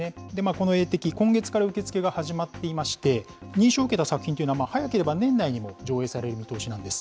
この映適、今月から受け付けが始まっていまして、認証を受けた作品というのは、早ければ年内にも上映される見通しなんです。